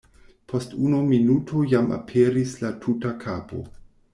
Post unu minuto jam aperis la tuta kapo.